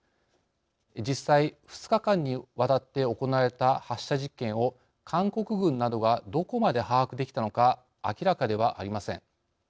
実際２日間にわたって行われた発射実験を韓国軍などがどこまで把握できたのか明らかではありません。